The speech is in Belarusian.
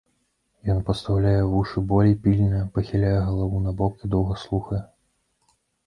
Ён пастаўляе вушы болей пільна, пахіляе галаву набок і доўга слухае.